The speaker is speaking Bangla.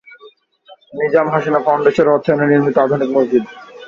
নিজাম হাসিনা ফাউন্ডেশন এর অর্থায়নে নির্মিত আধুনিক মসজিদ।